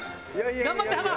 頑張ってハマ！